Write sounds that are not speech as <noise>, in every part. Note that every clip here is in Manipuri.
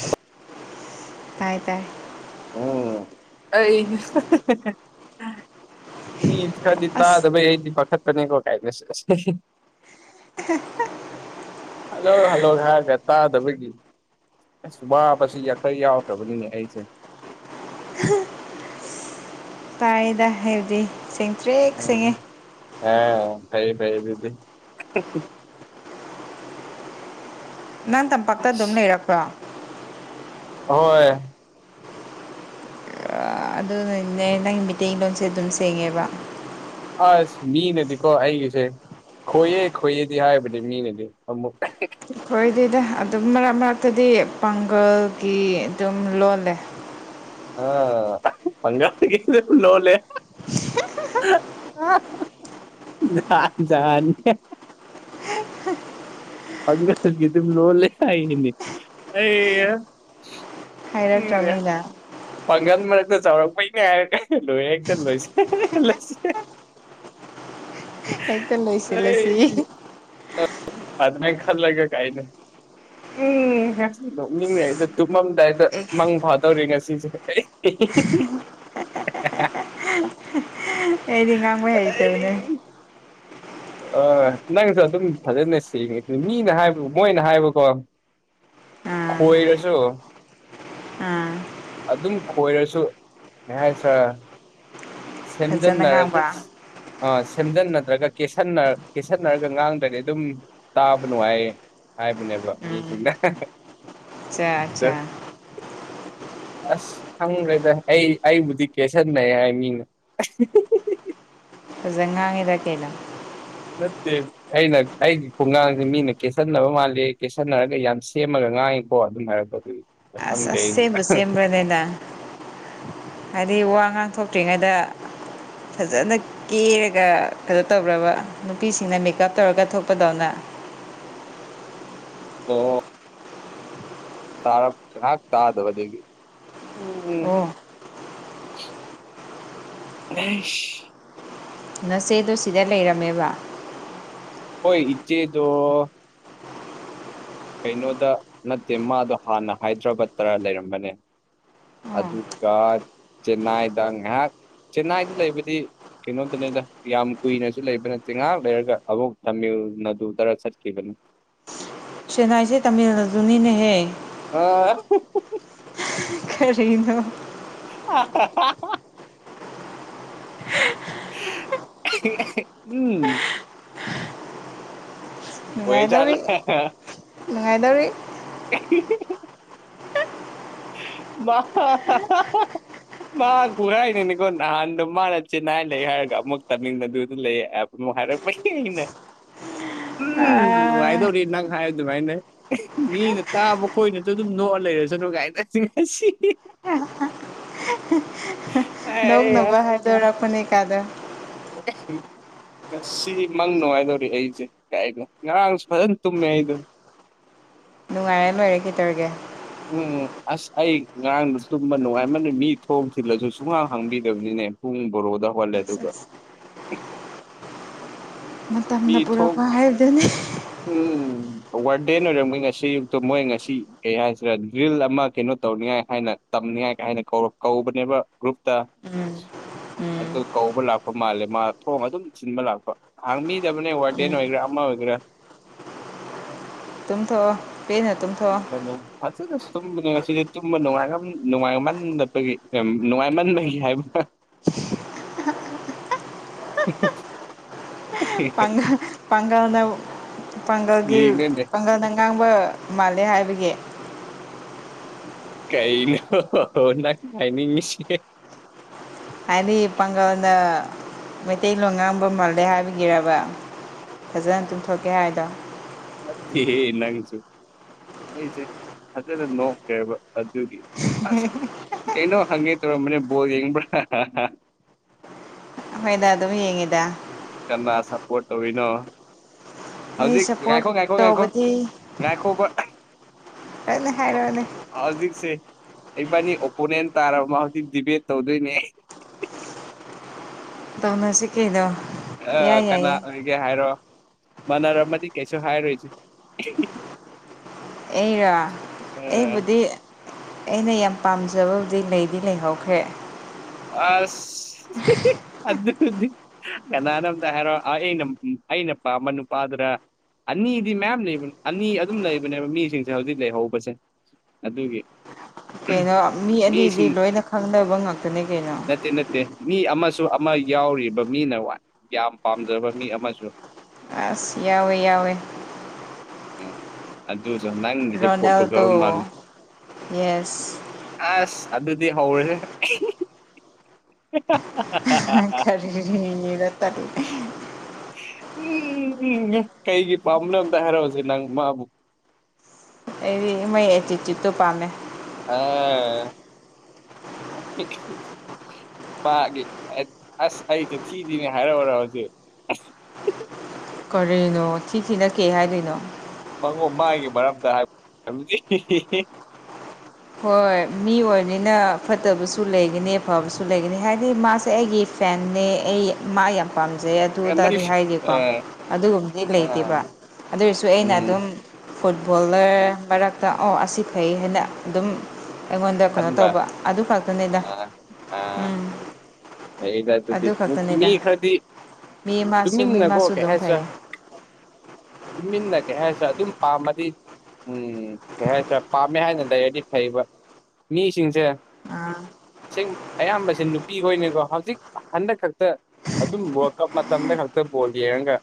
ꯍꯂꯣ ꯇꯥꯏ ꯇꯥꯏ ꯑꯣꯝ ꯑꯩ ꯃꯤ ꯈꯔꯗꯤ ꯑꯁ ꯇꯥꯗꯕꯩ ꯑꯩꯗꯤ ꯄꯥꯈꯠꯄꯅꯤꯀꯣ ꯀꯥꯏꯅꯁꯦꯁ <unintelligible> ꯍꯜꯂꯣ ꯍꯜꯂꯣ ꯍꯥꯏꯔꯒ ꯇꯥꯗꯕꯒꯤ ꯑꯦ ꯁꯨꯕꯥꯕꯁꯤ ꯌꯥꯈꯔ ꯌꯥꯎꯈ꯭ꯔꯕꯅꯤꯅꯦ ꯑꯩꯁꯦ ꯇꯥꯥꯏꯗ ꯍꯗꯤ ꯎꯝ ꯑꯥ ꯐꯩ ꯐꯩꯤꯗꯤ ꯅꯪ ꯇꯝꯄꯥꯛꯇ ꯑꯗꯨꯝ ꯑꯁ ꯂꯩꯔꯛꯄ꯭ꯔꯣ ꯍꯣꯏ ꯑꯗꯨꯅꯅꯦ ꯅꯪꯒꯤ ꯃꯩꯇꯩ ꯂꯣꯟꯁꯦ ꯑꯗꯨꯝ ꯁꯦꯡꯉꯦꯕ ꯑꯁ ꯃꯤ ꯅꯀꯣ ꯍꯥꯏꯒꯤꯁꯦ ꯈꯣꯏꯑꯦ ꯈꯣꯏꯌꯦꯗꯤ ꯍꯥꯏꯕꯅꯦ ꯃꯤꯅꯗꯤ ꯑꯃꯨꯛ ꯍꯣꯏ ꯑꯗꯨꯗ ꯑꯗꯨꯝ ꯃꯔꯛ ꯃꯔꯛꯇꯗꯤ ꯄꯥꯡꯒꯜꯒꯤ ꯑꯗꯨꯝ ꯂꯣꯜꯂꯦ ꯑ ꯐꯪꯒꯥꯒꯦꯦ ꯄꯨ ꯂꯣꯂꯦ ꯖꯅꯤ ꯑꯪꯀꯒꯤꯇ ꯂꯣ ꯂꯩꯦꯅꯤ ꯑ ꯍꯩꯔꯠ ꯔꯃꯤꯂ ꯄꯥꯡꯒꯜ ꯃꯔꯛꯇ ꯆꯥꯎꯔꯛꯄꯩꯅꯦ ꯍꯥꯏꯔꯒ ꯂꯣꯏ ꯍꯦꯛꯇ ꯂꯣꯏꯁꯤ ꯍꯦꯛꯇ ꯂꯣꯏꯁꯤꯜꯂꯁꯤ ꯑꯗꯃ ꯈꯔꯂꯒꯦ ꯀꯥꯏ ꯅ ꯎꯝ ꯍꯦꯛ ꯅꯣꯛꯅꯤꯡꯉꯦ ꯑꯩꯗ ꯇꯨꯝꯃꯝꯗꯥꯏꯗ ꯃꯪ ꯐꯥꯗꯧꯔꯦ ꯉꯁꯤꯁꯦ ꯑꯩ <unintelligible> ꯑꯩꯗꯤ ꯉꯥꯡꯕꯩ ꯍꯩꯇꯕꯅꯦ ꯑ ꯅꯪꯁꯨ ꯑꯗꯨꯝ ꯐꯖꯅ ꯁꯦꯡꯉꯦ ꯑꯗꯨ ꯃꯤꯅ ꯍꯥꯏꯕ ꯃꯣꯏꯅ ꯍꯥꯏꯕꯀꯣ ꯑꯥ ꯈ‌ꯣꯏꯔꯁꯨ ꯑꯥ ꯑꯗꯨꯝ ꯈꯣꯏꯔꯁꯨ ꯀ ꯍꯥꯏꯁꯔ ꯐꯖꯅ ꯁꯦꯝꯖꯤꯟꯅꯔꯛ ꯉꯥꯡꯕ ꯑ ꯁꯦꯝꯖꯤꯟ ꯅꯠꯇ꯭ꯔꯒ ꯀꯦꯠꯁꯟꯅꯔ ꯀꯦꯠꯁꯟꯅꯔꯒ ꯉꯥꯡꯗ꯭ꯔꯗꯤ ꯑꯗꯨꯝ ꯇꯥꯕ ꯅꯨꯡꯉꯥꯏꯌꯦ ꯍꯥꯏꯕꯅꯦꯕ ꯃꯤ ꯁꯤꯡꯗ ꯆꯥ ꯑꯆꯥ <inaudible> ꯑꯁ ꯈꯪꯈ꯭ꯔꯦꯗ ꯑꯩ ꯑꯩꯕꯨꯗꯤ ꯀꯦꯁꯟꯅꯩ ꯍꯥꯏ ꯃꯤꯅ ꯐꯖ ꯉꯥꯡꯉꯤꯔ ꯀꯩꯅ‌ꯣ ꯅꯠꯇꯦ ꯑꯩꯅ ꯑꯩꯒꯤ ꯈꯨꯡꯒꯥꯡꯁꯤꯦ ꯃꯤꯅ ꯀꯦꯠꯁꯟꯅꯕ ꯃꯥꯜꯜꯂꯤ ꯀꯦꯠꯁꯟꯅꯔꯒ ꯌꯥꯝ ꯁꯦꯝꯃꯒ ꯉꯥꯡ ꯍ ꯑꯗꯨꯝ ꯍꯥꯏ ꯑꯗꯨ ꯑꯁ ꯑꯁ ꯁꯦꯝꯕꯨ ꯁꯦꯝꯦꯝꯕ ꯂꯩꯗ ꯍꯥꯏꯗꯤ ꯋꯥ ꯉꯥꯡꯊꯣꯛꯇ꯭ꯔꯤꯉꯩꯗ ꯐꯖꯅ ꯀꯦꯔꯒ ꯀꯩꯅꯣ ꯇꯧꯕ꯭ꯔꯕ ꯅꯨꯄꯤꯁꯤꯡꯅ ꯃꯦꯀꯞ ꯇꯧꯔꯒ ꯊꯣꯛꯄꯗꯧꯅ ꯑꯣ ꯇꯔ ꯊꯒ ꯊꯥꯗ ꯑꯣ ꯑꯦꯁ ꯅꯆꯦꯗꯨ ꯁꯤꯗ ꯂꯩꯔꯝꯃꯦꯕ ꯍꯣꯏ ꯏꯆꯦꯗ‌ꯣ ꯀꯩꯅꯣꯗ ꯅꯠꯇꯦ ꯃꯥꯗꯣ ꯍꯥꯟꯅ ꯍꯥꯏꯗ꯭ꯔꯕ ꯇꯔ ꯂꯩꯔꯝꯕꯅꯦ ꯑꯣ ꯑꯗꯨꯒ ꯆꯦꯟꯅꯥꯏꯗ ꯉꯥꯏꯍꯥꯛ ꯆꯦꯟꯅꯥꯏꯗ ꯂꯩꯕꯗꯤ ꯀꯩꯅꯣꯗꯅꯦꯗ ꯌꯥꯝ ꯀꯨꯏꯅꯁꯨ ꯂꯩꯕ ꯅꯠꯇꯤ ꯉꯍꯥꯛ ꯂꯩꯔꯒ ꯑꯃꯨꯛ ꯇꯥꯃꯤꯜ ꯅꯥꯗꯨꯗꯔ ꯆꯠꯈꯤꯕꯅꯤ ꯆ‌ꯦꯟꯅꯥꯏꯁꯦ ꯇꯥꯃꯤꯜ ꯅꯥꯗꯨꯅꯤꯅꯦꯍꯦ ꯑꯥ ꯀꯔꯤꯅ‌ꯣ ꯑ ꯍꯥ ꯍꯥ ꯎꯝ ꯅꯨꯡꯉꯥꯏꯗꯧꯔꯤ ꯅꯨꯡꯉꯥꯏꯗꯧꯔꯤ <unintelligible> ꯋꯥ ꯍꯥ ꯍꯥ ꯃꯥ ꯈꯨꯔꯥꯏ ꯍꯥꯏꯅꯤꯅꯤꯀꯣ ꯅꯍꯥꯟꯗꯣ ꯃꯥꯅ ꯆ‌ꯦꯟꯅꯥꯏ ꯂꯩ ꯍꯥꯏꯔꯒ ꯑꯃꯨꯛ ꯇꯃꯤꯜ ꯅꯥꯗꯨꯗ ꯂꯩ ꯍꯥꯏꯔꯛꯄꯒꯤꯅꯦ ꯎꯝ ꯑꯥ ꯅꯨꯡꯉꯥꯏꯗꯧꯔꯤ ꯅꯪ ꯍꯥꯏ ꯑꯗꯨꯃꯥꯏꯅ ꯃꯤꯅ ꯇꯥꯕ ꯈꯣꯏꯅꯁꯨ ꯑꯗꯨꯝ ꯅꯣꯛꯑ ꯂꯩꯔꯁꯅꯨ ꯀꯥꯏ ꯉ ꯁꯤ ꯅꯧ ꯅꯕ ꯍꯥꯏꯗ‌ꯣꯔꯛꯄꯅ‌ꯦ ꯀꯥꯗ <unintelligible> ꯁꯤ ꯃꯪ ꯅꯨꯡꯉꯥꯏꯗꯧꯔꯤ ꯑꯩꯁꯦ ꯀꯥꯏꯅꯣ ꯉꯔꯥꯡꯁꯨ ꯐꯖꯅ ꯇꯨꯝꯃꯦ ꯑꯩꯗꯣ ꯅꯨꯡꯉꯥꯏꯔꯦ ꯂꯣꯏꯔꯦ ꯀꯩꯇꯧꯔꯒꯦ ꯎꯝ ꯑꯁ ꯑꯩ ꯉꯔꯥꯡꯗ ꯇꯨꯝꯕ ꯅꯨꯡꯉꯥꯏꯃꯅꯤ ꯃꯤ ꯊꯣꯡ ꯊꯤꯜꯂꯁꯨ ꯁꯨꯡꯍꯥꯡ ꯍꯥꯡꯕꯤꯗꯕꯅꯤꯅꯦ ꯕꯔꯣꯗ ꯍꯩꯒꯠꯂꯦ ꯑꯁ ꯑꯗꯨꯒ ꯑꯁ ꯃꯤ ꯃꯇꯝꯅ ꯊꯣꯡ ꯄꯨꯔꯛꯄ ꯍꯥꯏꯕꯗꯨꯅꯤ ꯎꯝ ꯋꯥꯔꯗꯦꯟ ꯑꯣꯏꯔꯝꯕꯩ ꯃꯣꯏ ꯉꯁꯤ ꯑꯌꯨꯛꯇ ꯃꯣꯏ ꯉꯁꯤ ꯀꯩ ꯍꯥꯏꯁꯦ ꯗ꯭ꯔꯤꯜ ꯑꯃ ꯀꯩꯅꯣ ꯇꯧꯅꯤꯡꯉꯥꯏ ꯍꯥꯏꯅ ꯇꯝꯅꯤꯡꯉꯥꯏ ꯀ ꯍꯥꯏꯅ ꯀꯧꯕꯅꯦꯕ ꯒ꯭ꯔꯨꯞꯇ ꯎꯝ ꯑꯗꯨ ꯀꯧꯕ ꯂꯥꯛꯄ ꯃꯥꯜꯂꯦ ꯃꯥ ꯊꯣꯡ ꯑꯗꯨꯝ ꯊꯤꯟꯕ ꯂꯥꯛꯄ ꯍꯥꯡꯕꯤꯗꯕꯅꯦ ꯋꯥꯔꯗ‌ꯦꯟ ꯑꯣꯏꯒꯦꯔ ꯑꯃ ꯑꯣꯏꯒꯦꯔ ꯇꯨꯝꯊ‌ꯣꯛꯑꯣ ꯄ‌ꯦꯟꯅ ꯇꯨꯝ ꯃꯂꯣ ꯐꯖꯅꯁꯨ ꯇꯨꯝꯕꯅꯦ ꯉꯁꯤꯗꯤ ꯇꯨꯝꯕꯅꯨꯡꯉ ꯅꯨꯡꯉꯥꯏꯃꯟꯗꯕꯒꯤ ꯅꯨꯡꯉꯥꯏꯃꯟꯗꯈꯤ ꯍꯥꯏꯕ ꯍ ꯄꯥꯡꯒꯜ ꯄꯥꯡꯒꯜꯅ ꯄꯥꯡꯒꯜꯒꯤ ꯌꯦꯡꯉꯅꯦ ꯄꯥꯡꯒꯜꯅ ꯉꯥꯡꯕ ꯃꯥꯜꯂꯦ ꯍꯥꯏꯕꯒꯤ ꯀꯩꯅꯣ ꯅꯪꯅ ꯍꯥꯏꯅꯤꯡ ꯉꯤꯁꯤ ꯍꯥꯏꯗꯤ ꯄꯥꯡꯒꯜꯅ ꯃꯩꯇꯩꯂꯣꯟ ꯉꯥꯡꯕ ꯃꯥꯜꯂꯦ ꯍꯥꯏꯕꯤꯒꯤꯔꯕ ꯐꯖꯅ ꯇꯨꯝꯊꯣꯛꯀꯦ ꯍꯥꯏꯗꯣ ꯅꯠꯇꯦꯍꯦ ꯅꯪꯁꯨ ꯑꯩꯁꯦ ꯐꯖꯅ ꯅꯣꯛꯈ꯭ꯔꯦꯕ ꯑꯗꯨꯒꯤ ꯑꯁ ꯀꯩꯅꯣ ꯍꯪꯒꯦ ꯇꯔꯝꯕꯅꯦ ꯕꯣꯜ ꯌꯦꯡꯕ꯭ꯔꯥ ꯍꯣꯏꯗ ꯑꯗꯨꯝ ꯌꯦꯡꯉꯤꯗ ꯀꯅꯥ ꯁꯄꯣꯔꯠ ꯇꯧꯔꯤꯅꯣ ꯑꯩ ꯍꯧꯖꯤꯛ ꯁꯞꯄꯣꯔꯠ ꯉꯥꯏꯈꯣ ꯉꯥꯏꯈꯣ ꯉꯥꯏꯈꯣ ꯉꯥꯏꯈꯣꯕ ꯍꯣꯢꯅꯦ ꯍꯥꯏꯔꯣꯅꯦ ꯍꯧꯖꯤꯛꯁꯦ ꯏꯕꯥꯅꯤ ꯑꯣꯄꯣꯅꯦꯟ ꯇꯥꯔꯕ ꯍꯧꯖꯤꯛ ꯗꯤꯕꯦꯠ ꯇꯧꯗꯣꯏꯅꯦ ꯑꯩ ꯇꯧꯅꯁꯤ ꯀꯩꯅ‌ꯣ ꯑ ꯀꯅꯥ ꯑꯣꯏꯒꯦ ꯍꯥꯏꯔꯣ ꯃꯥꯟꯅꯔꯝꯃꯗꯤ ꯀꯩꯁꯨ ꯍꯥꯏꯔꯣꯏꯁꯦ ꯑꯩꯔꯣ ꯑ ꯑꯩꯕꯨꯗꯤ ꯑꯩꯅ ꯌꯥꯝ ꯄꯥꯝꯖꯕꯕꯨꯗꯤ ꯂꯩꯗꯤ ꯂꯩꯍꯧꯈ꯭ꯔꯦ ꯑꯁ ꯑꯗꯨꯗꯤ ꯀꯅꯥꯅ‌ꯣ ꯑꯝꯇ ꯍꯥꯏꯔꯣ ꯑ ꯑꯩꯅ ꯑꯩꯅ ꯄꯥꯝꯕ ꯅꯨꯄꯥꯗꯨꯔꯥ ꯑꯅꯤꯗꯤ ꯃꯌꯥꯝ ꯂꯩꯕ ꯑꯅꯤ ꯑꯗꯨꯝ ꯂꯩꯕꯅꯦꯕ ꯃꯤꯁꯤꯡꯁꯦ ꯍꯧꯖꯤꯛ ꯂꯩꯍꯧꯕꯁꯦ ꯑꯗꯨꯒꯤ ꯀꯩꯅꯣ ꯃꯤ ꯑꯅꯤꯗꯤ ꯃꯤꯁꯤꯡ ꯂꯣꯏꯅ ꯈꯪꯅꯕ ꯉꯥꯛꯇꯅꯦ ꯀꯩꯅꯣ ꯅꯠꯇꯦ ꯅꯠꯇꯦ ꯃꯤ ꯑꯃꯁꯨ ꯑꯃ ꯌꯥꯎꯔꯤꯕ ꯃꯤꯅ ꯋꯥꯏ ꯌꯥꯝ ꯄꯥꯝꯖꯕ ꯃꯤ ꯑꯃꯁꯨ ꯑꯁ ꯌꯥꯎꯋꯦ ꯌꯥꯎꯋꯦ ꯎꯝ ꯑꯗꯨꯖꯨ ꯅꯪꯒꯤꯁꯦ ꯄꯣꯔꯇꯨꯒꯜ ꯔꯣꯅꯥꯜꯗꯣ ꯃꯥꯟ ꯌꯦꯁ ꯑꯁ ꯑꯗꯨꯗꯤ ꯍꯧꯔꯦꯍꯦ ꯑ ꯀꯥꯔꯤꯔ ꯇꯠ ꯎꯝ ꯀꯩꯒꯤ ꯄꯥꯝꯕꯅꯣ ꯑꯝꯇ ꯍꯥꯏꯔꯛꯑꯣꯁꯦ ꯅꯪ ꯃꯥꯕꯨ ꯑꯩꯗꯤ ꯃꯣꯏ ꯑꯦꯇꯤꯇ꯭ꯌꯨꯠꯇꯨ ꯄꯥꯝꯃꯦ ꯑꯥ ꯄꯥꯒꯤ ꯑꯁ ꯑꯩꯁꯦ ꯊꯤꯊꯤꯅ ꯍꯥꯏꯔꯛꯎꯔꯣ ꯍꯧꯖꯤꯛ ꯀꯔꯤꯅꯣ ꯊꯤ ꯊꯤꯅ ꯀꯩ ꯍꯥꯏꯗꯣꯏꯅꯣ ꯃꯉꯣꯟ ꯃꯥꯒꯤ ꯃꯔꯝꯗ ꯍꯥꯏꯕ ꯍꯥꯏꯕ ꯍꯣꯏ ꯃꯤ ꯑꯣꯏꯕꯅꯤꯅ ꯐꯠꯇꯕꯁꯨ ꯂꯩꯒꯅꯤ ꯐꯕꯁꯨ ꯂꯩꯒꯅꯤ ꯍꯥꯏꯗꯤ ꯃꯥꯁꯦ ꯑꯩꯒꯤ ꯐꯦꯟꯅꯦ ꯑꯩ ꯃꯥ ꯌꯥꯝ ꯄꯥꯝꯖꯩ ꯑꯥ ꯑꯗꯨꯗꯗꯤ ꯍꯥꯏꯒꯦꯀꯣ ꯑꯗꯨꯒꯨꯝꯕꯗꯤ ꯂꯩꯇꯦꯕ ꯑꯗꯨꯔꯁꯨ ꯑꯩꯅ ꯎꯝ ꯑꯗꯨꯝ ꯐꯨꯠꯕꯣꯜꯂꯔ ꯃꯔꯛꯇ ꯑꯣ ꯑꯁꯤ ꯐꯩ ꯍꯥꯏꯅ ꯑꯗꯨꯝ ꯑꯩꯉꯣꯟꯗ ꯀꯩꯅꯣ ꯈꯟꯕ ꯇꯧꯕ ꯑꯗꯨ ꯈꯛꯇꯅꯤꯗ ꯑꯥ ꯎꯝ ꯐꯩꯌꯦꯗ ꯑꯗꯨꯗꯤ ꯑꯗꯨ ꯃꯤ ꯈꯛꯇꯅꯤꯗ ꯈꯔꯗꯤ ꯃꯤ ꯑꯃꯁꯨ ꯃꯤ ꯇꯨꯃꯤꯟꯅꯀꯣ ꯑꯃꯁꯨ ꯀꯩ ꯑꯗꯨꯝ ꯍꯥꯏꯁꯦꯔ ꯐꯩꯌꯦ ꯇꯨꯃꯤꯟꯅ ꯀꯩ ꯍꯥꯏꯔꯁꯨ ꯑꯗꯨꯝ ꯄꯥꯝꯃꯗꯤ ꯎꯝ ꯀꯩ ꯍꯥꯏꯁꯦꯔ ꯄꯥꯝꯃꯦ ꯍꯥꯏꯅ ꯂꯩꯔꯗꯤ ꯐꯩꯕ ꯃꯤꯁꯤꯡꯁꯦ ꯑꯥ ꯁꯦꯡ ꯑꯌꯥꯝꯕꯁꯦ ꯅꯨꯄꯤꯈꯣꯏꯅꯤꯀꯣ ꯍꯧꯖꯤꯛ ꯍꯟꯗꯛ ꯈꯛꯇ ꯑꯗꯨꯝ ꯋꯥꯔꯜ ꯀꯞ ꯃꯇꯝꯗ ꯈꯛꯇ ꯕꯣꯜ ꯌꯦꯡꯉꯒ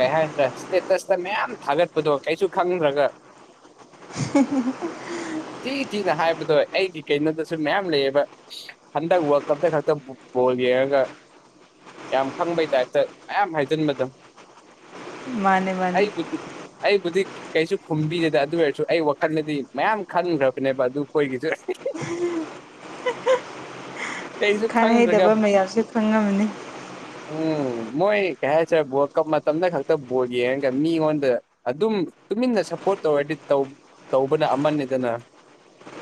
ꯀꯩ ꯍꯥꯏꯁꯦꯔꯥ ꯏꯁꯇꯦꯇꯁꯇ ꯃꯌꯥꯝ ꯊꯥꯒꯠꯄꯗꯣ ꯀꯩꯁꯨ ꯈꯪꯗ꯭ꯔꯒ <inaudible> <unintelligible> ꯊꯤ ꯊꯤꯅ ꯍꯥꯏꯕꯗꯣ ꯑꯩꯒꯤ ꯀꯩꯅꯣꯗꯁꯨ ꯃꯌꯥꯝ ꯂꯩꯌꯦꯕ ꯍꯟꯗꯛ ꯋꯥꯔꯜ ꯀꯞꯇ ꯈꯛꯇ ꯕꯣꯜ ꯌꯦꯡꯉꯒ ꯌꯥꯝ ꯐꯪꯕꯩ ꯇꯥꯏꯞꯇ ꯃꯌꯥꯝ ꯍꯥꯏꯖꯤꯟꯕꯗ ꯃꯥꯅꯦ ꯃꯥꯅꯦ ꯑꯩꯕꯨꯗꯤ ꯑꯩꯕꯨꯗꯤ ꯀꯩꯁꯨ ꯈꯨꯝꯕꯤꯗꯦꯗ ꯑꯗꯨ ꯑꯣꯏꯔꯁꯨ ꯑꯩ ꯋꯥꯈꯜꯗꯗꯤ ꯃꯌꯥꯝ ꯈꯟꯈ꯭ꯔꯕꯅꯦꯕ ꯑꯗꯨ ꯈꯣꯏꯒꯤꯁꯨ ꯀꯩꯁꯨ ꯈꯪꯗ꯭ꯔꯒ ꯈꯪꯍꯩꯗꯕ ꯃꯌꯥꯝꯁꯦ ꯈꯪꯉꯝꯃꯅꯤ ꯎꯝ ꯃꯣꯏ ꯀꯩ ꯍꯥꯏꯁꯔꯦ ꯕ ꯀꯞ ꯃꯇꯝꯗ ꯈꯛꯇ ꯕꯣꯜ ꯌꯦꯡꯉꯒ ꯃꯤꯉꯣꯟꯗ ꯑꯗꯨꯝ ꯇꯨꯃꯤꯟꯅ ꯁꯞꯄꯣꯔꯠ ꯇꯧꯔꯗꯤ ꯇꯧꯕꯅ ꯑꯃꯅꯤꯗꯅ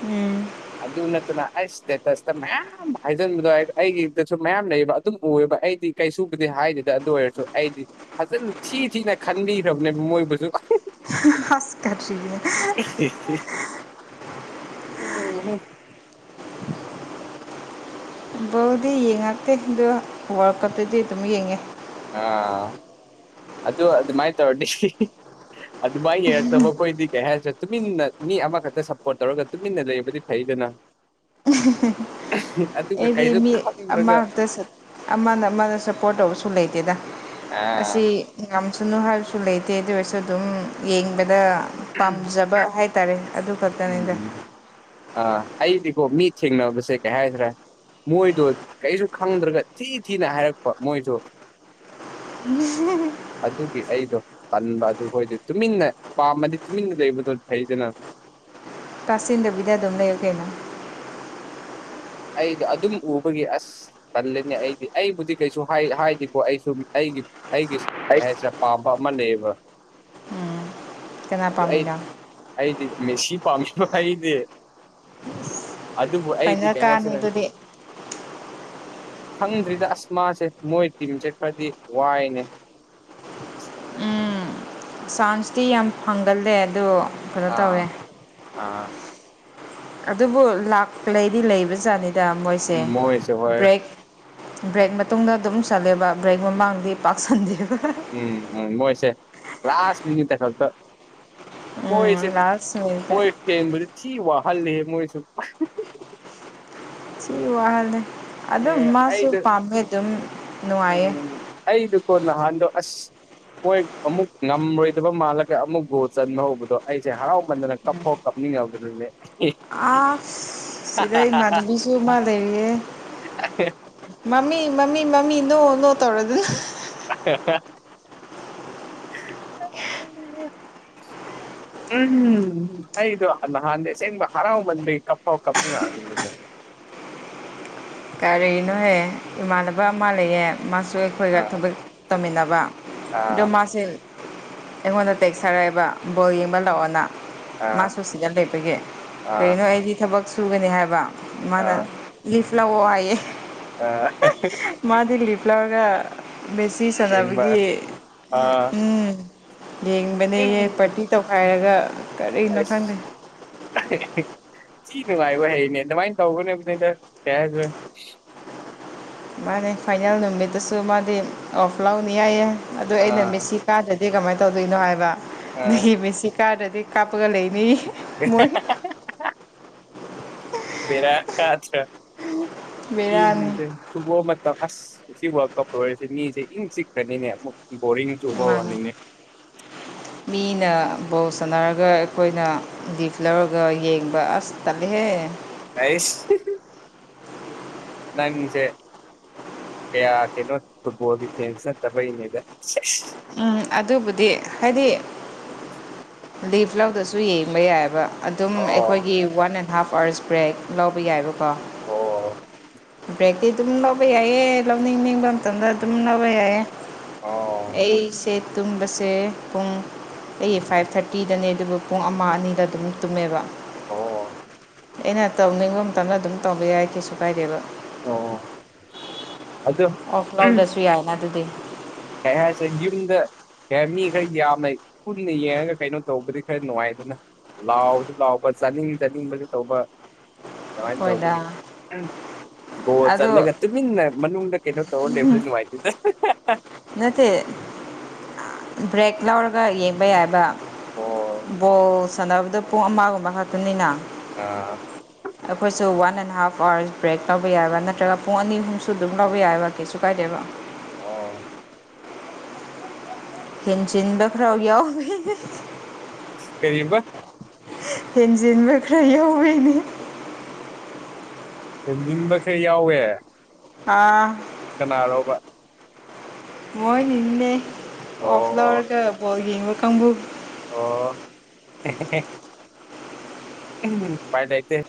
ꯎꯝ ꯑꯗꯨ ꯅꯠꯇꯅ ꯑꯥꯏꯁ ꯁꯇꯦ ꯇꯁꯇ ꯃꯌꯥꯝ ꯑꯌꯥꯝ ꯍꯥꯏꯖꯟꯕꯗꯣ ꯍꯥꯏ ꯑꯩꯒꯤꯗꯁꯨ ꯃꯌꯥꯝ ꯂꯩꯕ ꯑꯗꯨꯝ ꯎꯑꯦꯕ ꯑꯩꯗꯤ ꯀꯩꯁꯨꯕꯨꯗꯤ ꯍꯥꯏꯗꯗ ꯑꯗꯨ ꯑꯣꯏꯔꯁꯨ ꯑꯩꯗꯤ ꯐꯖꯅ ꯊꯤ ꯊꯤꯅ ꯈꯟꯕꯤꯈ꯭ꯔꯕꯅꯦꯕ ꯃꯣꯏꯕꯨꯁꯨ ꯑꯁ ꯀꯔꯤꯅꯣ ꯎꯝ <inaudible> ꯕꯣꯜꯗꯤ ꯌꯦꯡꯉꯛꯇꯦ ꯑꯗꯣ ꯋꯥꯔꯜ ꯀꯞꯇꯗꯤ ꯑꯗꯨꯝ ꯌꯦꯡꯉꯦ ꯑꯥ ꯑꯗꯨ ꯑꯗꯨꯃꯥꯏꯅ ꯇꯧꯔꯗꯤ ꯑꯗꯨꯃꯥꯏꯅ ꯌꯦꯡꯔꯛꯇꯕ ꯑꯩꯈꯣꯏꯗꯤ ꯀꯩ ꯍꯥꯏꯔꯁꯤꯦ ꯇꯨꯃꯤꯟꯅ ꯃꯤ ꯑꯃꯈꯛꯇ ꯁꯞꯄꯣꯔꯠ ꯇꯧꯔꯒ ꯇꯨꯃꯤꯟꯅ ꯂꯩꯕꯗꯤ ꯐꯩꯗꯅ ꯑꯗꯨꯒ ꯑꯩꯗꯤ ꯀꯩꯁꯨ ꯃꯤ ꯈꯪꯗ꯭ꯔꯒ ꯑꯃꯗꯁꯨ ꯑꯃꯅ ꯑꯃꯅ ꯁꯞꯄꯣꯔꯠ ꯇꯧꯕꯁꯨ ꯂꯩꯇꯦꯗ ꯑ ꯑꯁꯤ ꯉꯝꯁꯅꯨ ꯍꯥꯏꯕꯁꯨ ꯂꯩꯇꯦ ꯑꯗꯨ ꯑꯣꯏꯔꯁꯨ ꯑꯗꯨꯝ ꯌꯦꯡꯕꯗ ꯄꯥꯝꯖꯕ ꯍꯥꯏ ꯇꯥꯔꯦ ꯑꯗꯨ ꯈꯛꯇꯅꯤꯗ ꯑꯥ ꯑꯩꯗꯤꯀꯣ ꯃꯤ ꯊꯦꯡꯅꯕꯁꯦ ꯀꯩ ꯍꯥꯏꯈ꯭ꯔꯦ ꯃꯣꯏꯗꯣ ꯀꯩꯁꯨ ꯈꯪꯗ꯭ꯔꯒ ꯊꯤ ꯊꯤꯅ ꯍꯥꯏꯔꯛꯄ ꯃꯣꯏꯗ ꯎꯝ ꯑꯗꯨꯒꯤ ꯑꯩꯗꯣ ꯄꯟꯕ ꯑꯗꯨ ꯑꯩꯈꯣꯏꯗꯤ ꯇꯨꯃꯤꯟꯅ ꯄꯥꯝꯃꯗꯤ ꯇꯨꯃꯤꯟꯅ ꯂꯩꯕꯗꯣ ꯐꯩꯗꯅ ꯇꯥꯁꯤꯟꯗꯕꯤꯗ ꯑꯗꯨꯝ ꯂꯩꯌꯨ ꯀꯩꯅꯣ ꯑꯩꯗ ꯑꯗꯨꯝ ꯎꯕꯒꯤ ꯑꯁ ꯄꯜꯂꯅꯤ ꯑꯩꯗꯤ ꯑꯩꯕꯨꯗꯤ ꯀꯩꯁꯨ ꯍꯥꯏꯗꯤꯀꯣ ꯑꯩꯁꯨ ꯑꯩꯒꯤ ꯑꯩꯒꯤ ꯀꯩ ꯍꯥꯏꯁꯦ ꯄꯥꯝꯕ ꯑꯃ ꯂꯩꯕ ꯀꯅꯥ ꯑ ꯑꯩ ꯄꯥꯝꯃꯤꯅꯣ ꯑꯩꯗꯤ ꯃꯦꯁꯤ ꯄꯥꯝꯃꯤꯕ ꯑꯩꯩꯗꯤ ꯑꯗꯨꯕꯨ ꯑꯩꯗꯤ ꯐꯥꯏꯅꯦꯜ ꯀꯩ ꯀꯥꯅꯤ ꯍꯥꯏꯁꯤꯔꯥ ꯑꯗꯨꯗꯤ ꯈꯪꯗ꯭ꯔꯤꯗ ꯑꯁ ꯃꯥꯥꯁꯦ ꯃꯣꯏ ꯇꯤꯝꯁꯦ ꯈꯔꯗꯤ ꯋꯥꯏꯅꯦ ꯆꯥꯟꯁꯇꯤ ꯌꯥꯝ ꯐꯪꯒꯜꯂꯦ ꯑꯗꯣ ꯑꯥ ꯑꯥ ꯑꯗꯨꯕꯨ ꯂꯥꯛꯂꯗꯤ ꯂꯩꯕꯖꯥꯠꯅꯤꯗ ꯃꯣꯏꯁꯦ ꯎꯝ ꯃꯣꯏꯁꯦ ꯍꯣꯏ ꯕ꯭ꯔꯦꯛ ꯕ꯭ꯔꯦꯛ ꯃꯇꯨꯡꯗ ꯑꯗꯨꯝ ꯆꯠꯂꯦꯕ ꯕ꯭ꯔꯦꯛ ꯃꯃꯥꯡꯗꯤ ꯄꯥꯛꯁꯟꯗꯦꯕ ꯎꯝ ꯎꯝ ꯃꯣꯏꯁꯦ ꯂꯥꯁ ꯃꯤꯅꯤꯠꯇ ꯈꯛꯇ ꯎꯝ ꯃꯣꯏꯁꯦ ꯂꯥꯁ ꯃꯤꯅꯤꯠꯇ ꯃꯣꯏ ꯐꯦꯟꯕꯗꯤ ꯊꯤ ꯋꯥꯍꯜꯂꯍꯦ ꯃꯣꯏꯁꯨ ꯐ ꯋꯥꯍꯜꯂ ꯑꯗꯨꯝ ꯃꯥꯁꯨ ꯑꯩꯗ ꯄꯥꯝꯃꯦ ꯑꯗꯨꯝ ꯅꯨꯡꯉꯥꯏꯌꯦ ꯑꯩꯗꯨ ꯀꯣ ꯅꯍꯥꯟꯗꯣ ꯑꯁ ꯃꯣꯏ ꯑꯃꯨꯛ ꯉꯝꯔꯣꯏꯗꯕ ꯃꯥꯜꯂꯒ ꯑꯃꯨꯛ ꯒꯣ ꯆꯟꯕ ꯍꯧꯕꯗꯣ ꯑꯩꯁꯦ ꯍꯔꯥꯎꯃꯟꯗꯅ ꯀꯞ ꯄꯣ ꯀꯞꯅꯤꯡꯉꯕꯅꯤꯅꯦ ꯁꯤꯗ ꯏꯃꯥꯟꯅꯕꯤꯁꯨ ꯑꯃ ꯂꯩꯔꯤꯌꯦ ꯃꯃꯤ ꯃꯃꯤ ꯃꯃꯤ ꯏ ꯅꯣ ꯅꯣ ꯇꯧꯔ ꯑꯗꯨ ꯑ ꯎꯝ ꯑꯩꯗꯣ ꯅꯍꯥꯟꯗ ꯑꯁꯦꯡꯕ ꯍꯔꯥꯎꯃꯟꯗꯩ ꯀꯞꯄꯥꯎ ꯀꯞꯅꯤꯡꯉꯕꯅꯤꯅꯦ ꯀꯔꯤꯅꯣꯍꯦ ꯏꯃꯥꯟꯅꯕ ꯑꯃ ꯂꯩꯌꯦꯦ ꯃꯥꯁꯨ ꯑꯩꯈꯣꯏꯒ ꯑꯥ ꯊꯕꯛ ꯇꯧꯃꯤꯟꯅꯕ ꯑꯗꯣ ꯑꯥ ꯃꯥꯁꯦ ꯑꯩꯉꯣꯟꯗ ꯇꯦꯛꯁ ꯊꯥꯔꯛꯑꯦꯕ ꯕꯣꯜ ꯌꯦꯡꯕ ꯂꯥꯛꯑꯣꯅ ꯑꯥ ꯃꯥꯁꯨ ꯁꯤꯗ ꯂꯩꯕꯒꯤꯦ ꯑꯥ ꯀꯔꯤꯅꯣ ꯑꯩꯗꯤ ꯊꯕꯛ ꯁꯨꯒꯅꯤ ꯍꯥꯏꯕ ꯃꯥꯅ ꯑꯥ ꯂꯤꯐ ꯂ ꯑꯣ ꯍꯥꯏꯌꯦ ꯑ ꯃꯥꯗꯤ ꯂꯤꯞ ꯂꯧꯥꯎꯔꯒ ꯕꯦꯁꯤ ꯌꯦꯡꯕ ꯁꯥꯟꯅꯕꯒꯤ ꯑꯥ ꯎꯝ ꯌꯦꯡꯕꯅꯦꯍꯦ ꯄꯥꯔꯇꯤ ꯇꯧꯈꯥꯏꯔꯒ ꯀꯔꯤꯅꯣ ꯑꯁ ꯈꯪꯗꯦ ꯁꯤ ꯅꯨꯡꯉꯥꯏꯕ ꯍꯩꯅꯦ ꯑꯗꯨꯃꯥꯏꯅ ꯇꯧꯒꯅꯦꯕ ꯅꯩꯗ ꯀꯩ ꯃꯥꯅꯦ ꯐꯥꯏꯅꯦꯜ ꯅꯨꯃꯤꯠꯇꯁꯨ ꯃꯥꯗꯤ ꯑꯣꯐ ꯂꯥꯎꯅꯤ ꯌꯥꯏꯌꯦ ꯑꯗꯨ ꯑ ꯑꯥ ꯅꯨꯃꯤꯠꯁꯤ ꯀꯔꯗꯗꯤ ꯀꯃꯥꯏꯅ ꯇꯧꯗꯣꯏꯅꯣ ꯍꯥꯏꯕ ꯑꯥ ꯅꯪꯒꯤ ꯃꯤꯠꯁꯤ ꯀꯥꯔꯗꯗꯤ ꯀꯥꯞꯄꯒ ꯂꯩꯅꯤ ꯃꯣꯏ ꯔ ꯀ꯭ꯔ ꯕꯦꯔꯥꯅꯤ ꯃꯤꯁꯤꯡꯁꯦ ꯁꯨꯕꯣ ꯑꯃ ꯑꯁ ꯁꯤ ꯋꯥ ꯀꯞ ꯑꯣꯏꯔꯤꯁꯦ ꯃꯤꯁꯦ ꯏꯪ ꯆꯤꯛꯈ꯭ꯔꯅꯤꯅꯦ ꯑꯃꯨꯛ ꯕꯔꯤꯡꯁꯨꯨꯕ ꯃꯥꯅꯤ ꯋꯥꯔꯅꯤꯡꯅꯦꯦ ꯃꯤꯅ ꯕꯣꯜ ꯁꯥꯟꯅꯔꯒ ꯑꯩꯈꯣꯏꯅ ꯒꯤꯐ ꯂꯧꯔꯒ ꯌꯦꯡꯕ ꯑꯁ ꯇꯗꯒꯤꯍꯦ ꯑꯩꯁ ꯅꯪꯁꯦ ꯀꯌꯥ ꯀꯩꯅꯣ ꯐꯨꯠꯕꯣꯜꯒꯤ ꯐꯦꯟꯁ ꯅꯠꯇꯕꯩꯅꯦꯗ ꯎꯝ ꯑꯗꯨꯕꯨꯗꯤ ꯍꯥꯏꯗꯤ ꯎꯝ ꯑꯗꯒꯤ ꯐ꯭ꯂꯧꯗꯁꯨ ꯌꯦꯡꯕ ꯌꯥꯏꯑꯕ ꯑꯗꯨꯝ ꯑꯣ ꯑꯩꯈꯣꯏꯒꯤ one and half hours break ꯂꯧꯕ ꯌꯥꯏꯕꯀꯣ ꯑꯣ ꯐ꯭ꯔꯦꯛꯇꯤ ꯑꯗꯨꯝ ꯂꯧꯕ ꯌꯥꯏꯑ ꯂꯧꯅꯤꯡꯅꯤꯡꯕ ꯃꯇꯝꯗ ꯑꯗꯨꯝ ꯂꯧꯕ ꯌꯥꯏꯌꯦ ꯑꯣ ꯑꯩꯁꯦ ꯇꯨꯝꯕꯁꯦ ꯄꯨꯡ ꯑꯩ ꯐꯥꯏꯚ ꯊꯥꯔꯇꯤꯗꯅꯦ ꯑꯗꯨ ꯄꯨꯡ ꯑꯃ ꯑꯅꯤꯗ ꯑꯗꯨꯝ ꯇꯨꯝꯃꯦꯕ ꯑꯣ ꯑꯩꯅ ꯇꯧꯅꯤꯡꯕ ꯃꯇꯝꯗ ꯑꯗꯨꯝ ꯇꯧꯕ ꯌꯥꯏ ꯀꯩꯁꯨ ꯀꯥꯏꯗꯦꯕ ꯑꯣ ꯑꯗꯨꯗꯣ ꯑꯣꯐ ꯂꯣꯛꯗꯁꯨ ꯌꯥꯏꯅ ꯑꯗꯨꯗꯤ ꯀꯩ ꯍꯥꯏꯁꯦ ꯌꯨꯝꯗ ꯍ ꯃꯤ ꯈꯔ ꯌꯥꯝꯅ ꯄꯨꯟꯅ ꯌꯦꯡꯉꯒ ꯀꯩꯅꯣ ꯇꯧꯕꯗꯤ ꯈꯔ ꯅꯨꯡꯉꯥꯏꯗꯨꯅ ꯂꯥꯎꯁꯨ ꯂꯥꯎꯕ ꯆꯥꯅꯤꯡ ꯆꯥꯅꯤꯡꯕꯁꯨ ꯇꯧꯕ ꯀꯃꯥꯏꯅ ꯍꯣꯏꯗ ꯇꯧꯕꯅꯤ ꯒꯣ ꯑꯗꯣ ꯆꯠꯂꯒ ꯇꯨꯃꯤꯟꯅ ꯃꯅꯨꯡꯗ ꯀꯩꯅꯣ ꯇꯧꯔ ꯂꯩꯕꯗꯤ ꯅꯨꯡꯉꯥꯏ <unintelligible> ꯅꯠꯇꯦ ꯕ꯭ꯔꯦꯛ ꯂꯧꯔꯒ ꯌꯦꯡꯕ ꯌꯥꯏꯕ ꯑꯣ ꯕꯣꯜ ꯁꯥꯟꯅꯕꯗ ꯄꯨꯡ ꯑꯃꯒꯨꯝꯕ ꯈꯛꯇꯅꯤꯅ ꯑ ꯑꯩꯈꯣꯏꯁꯨ one and half hours break ꯇꯧꯕ ꯌꯥꯏꯕ ꯅꯠꯇ꯭ꯔꯒ ꯄꯨꯡ ꯑꯅꯤ ꯑꯍꯨꯝꯁꯨ ꯑꯗꯨꯝ ꯂꯧꯕ ꯌꯥꯏꯕ ꯀꯩꯁꯨ ꯀꯥꯏꯗꯦꯕ ꯑꯣ ꯍꯦꯟꯖꯤꯟꯕ ꯈꯔꯥꯎ ꯌꯥꯎꯋꯤ ꯀꯔꯤꯕ ꯍꯦꯟꯖꯤꯦꯟꯕ ꯀ꯭ꯔ ꯌꯥꯕꯅꯤ ꯍꯃꯤꯟꯕꯈꯩ ꯌꯥꯎꯋꯦ ꯑꯥ ꯀꯅꯥꯔꯕ ꯃꯣꯏꯅꯤꯅꯦ ꯑꯣꯐ ꯑꯣ ꯂꯔ ꯀꯣꯕ ꯀꯥꯡꯕꯨ ꯑꯣ ꯎꯝ ꯄꯥꯏ ꯇꯥꯏꯦ